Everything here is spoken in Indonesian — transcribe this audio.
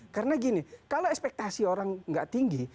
karena gini kalau ekspektasi orang nggak tinggi